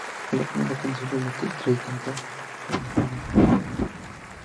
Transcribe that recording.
Es la primera canción en la que Drake canta completamente en español.